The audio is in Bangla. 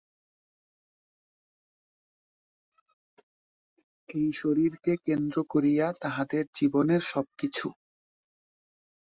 এই শরীরকে কেন্দ্র করিয়া তাহাদের জীবনের সব-কিছু।